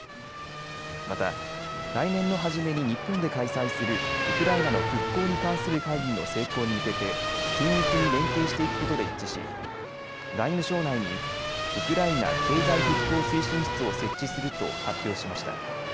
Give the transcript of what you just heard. また、来年のはじめに日本で開催するウクライナの復興に関する会議の成功に向けて緊密に連携していくことで一致し外務省内にウクライナ経済復興推進室を設置すると発表しました。